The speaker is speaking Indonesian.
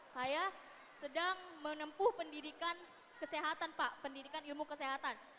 saya sedang menempuh pendidikan kesehatan pak pendidikan ilmu kesehatan